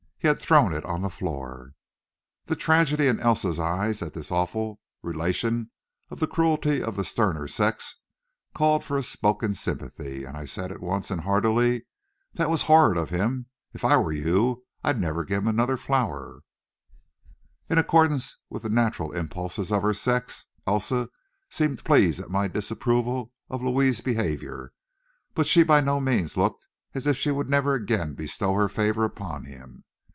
He had thrown it on the floor!" The tragedy in Elsa's eyes at this awful relation of the cruelty of the sterner sex called for a spoken sympathy, and I said at once, and heartily: "That was horrid of him! If I were you I'd never give him another flower." In accordance with the natural impulses of her sex, Elsa seemed pleased at my disapproval of Louis's behavior, but she by no means looked as if she would never again bestow her favor upon him.